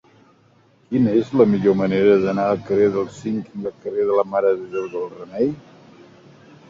Quina és la millor manera d'anar del carrer d'Hèlsinki al carrer de la Mare de Déu del Remei?